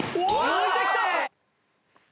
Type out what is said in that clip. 抜いてきた！